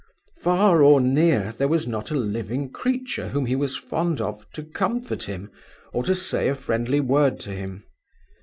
Far or near, there was not a living creature whom he was fond of to comfort him, or to say a friendly word to him.